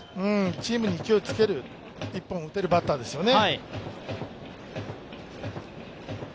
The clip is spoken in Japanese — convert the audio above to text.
チームに勢いをつける一本を打てるバッターですよね。